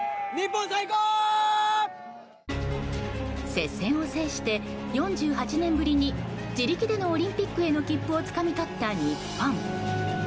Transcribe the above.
接戦を制して、４８年ぶりに自力でのオリンピックへの切符をつかみ取った日本。